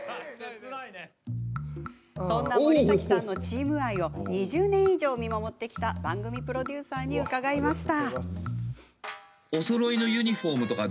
そんな森崎さんのチーム愛を２０年以上、見守ってきた番組プロデューサーに伺いました。